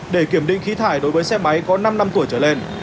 để kiểm định khí thải đối với xe máy có năm năm tuổi trở lên